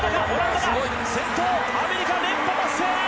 アメリカ、連覇達成！